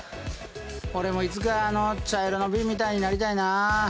俺もいつかあの茶色のびんみたいになりたいな！